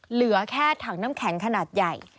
เหลือแค่ถังน้ำแข็งขนาดใหญ่